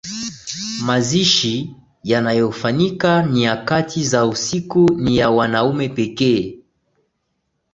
Mazishi yanayofanyika nyakati za usiku ni ya wanaume pekee